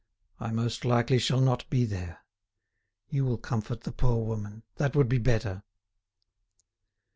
"I most likely shall not be there. You will comfort the poor woman. That would be better."